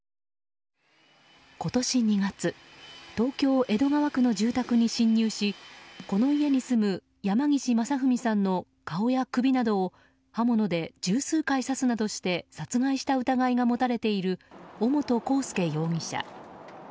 今年２月東京・江戸川区の住宅に侵入しこの家に住む山岸正文さんの顔や首などを刃物で十数回刺すなどして殺害した疑いが持たれている尾本幸祐容疑者。